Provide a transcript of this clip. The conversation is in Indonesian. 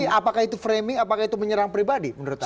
apakah itu framing apakah itu menyerang pribadi menurut anda